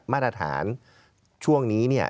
มาตรฐานช่วงนี้เนี่ย